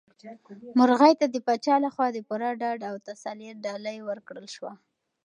مرغۍ ته د پاچا لخوا د پوره ډاډ او تسلیت ډالۍ ورکړل شوه.